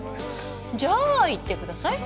じゃあ言ってください。